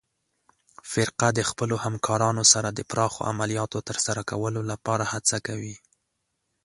فرقه د خپلو همکارانو سره د پراخو عملیاتو ترسره کولو لپاره هڅه کوي.